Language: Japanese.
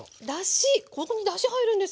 ここにだし入るんですか。